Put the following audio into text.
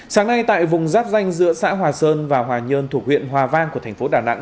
sáng nay tại vùng giáp danh giữa xã hòa sơn và hòa nhơn thuộc huyện hòa vang của thành phố đà nẵng